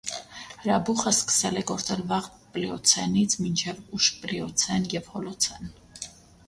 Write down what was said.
Հրաբուխը սկսել է գործել վաղ պլիոցենից մինչև ուշ պլիոցեն և հոլոցեն։